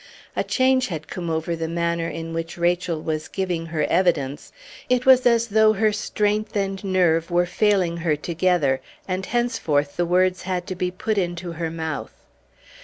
A change had come over the manner in which Rachel was giving her evidence; it was as though her strength and nerve were failing her together, and henceforth the words had to be put into her mouth.